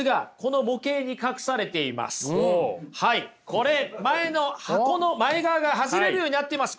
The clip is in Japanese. これ前の箱の前側が外れるようになってます。